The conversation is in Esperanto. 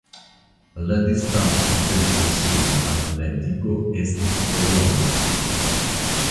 La distanco de la Insulo al la digo estis tro longa.